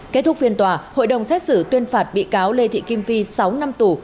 kết thúc phiên tòa hội đồng xét xử tuyên phạt bị cáo lê thị kim phi sáu năm tù